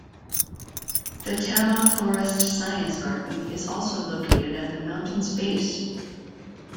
The Tama Forest Science Garden is also located at the mountain's base.